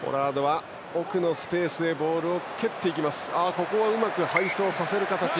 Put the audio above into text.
ここはうまく背走させる形。